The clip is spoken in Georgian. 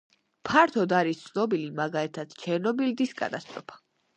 ფართოდ არის ცნობილი მაგალითად ჩერნობილის კატასტროფა.